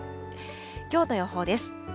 きょうの予報です。